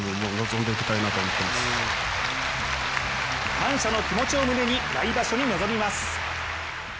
感謝の気持ちを胸に来場所に臨みます。